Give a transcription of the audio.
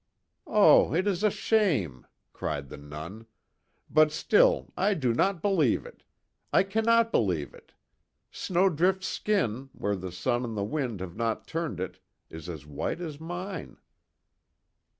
"Oh, it is a shame!" cried the Nun, "But, still I do not believe it! I cannot believe it! Snowdrift's skin, where the sun and the wind have not turned it, is as white as mine."